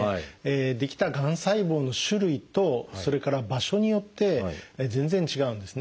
出来たがん細胞の種類とそれから場所によって全然違うんですね。